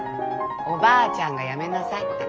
おばあちゃんがやめなさいって。